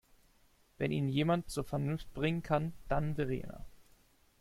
Wenn ihn jemand zur Vernunft bringen kann, dann Verena.